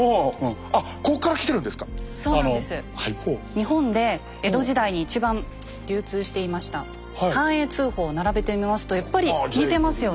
日本で江戸時代に一番流通していました寛永通宝を並べてみますとやっぱり似てますよね。